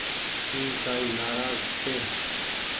اي ڪآئي نآراز ڇي۔